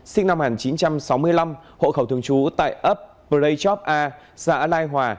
sinh năm một nghìn chín trăm sáu mươi năm hộ khẩu thường trú tại ấp prey chop a xã lai hòa